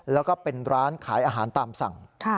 แล้วก็เป็นร้านขายอาหารตามสั่ง